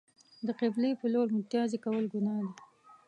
د قبلې په لور میتیاز کول گناه ده.